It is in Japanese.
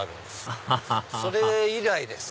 アハハハそれ以来です